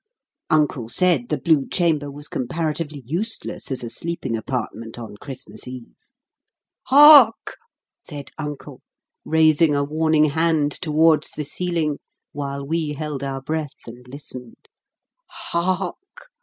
Uncle said the Blue Chamber was comparatively useless as a sleeping apartment on Christmas Eve. "Hark!" said uncle, raising a warning hand towards the ceiling, while we held our breath, and listened; "Hark!